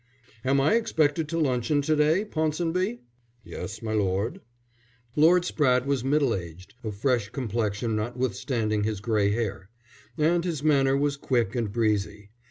"Am I expected to luncheon to day, Ponsonby?" "Yes, my lord." Lord Spratte was middle aged, of fresh complexion notwithstanding his grey hair; and his manner was quick and breezy.